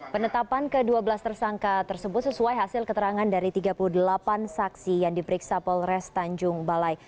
penetapan ke dua belas tersangka tersebut sesuai hasil keterangan dari tiga puluh delapan saksi yang diperiksa polres tanjung balai